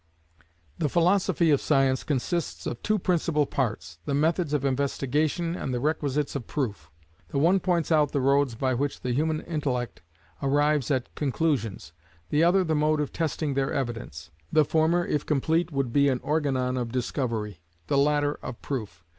The philosophy of Science consists of two principal parts; the methods of investigation, and the requisites of proof. The one points out the roads by which the human intellect arrives at conclusions, the other the mode of testing their evidence. The former if complete would be an Organon of Discovery, the latter of Proof.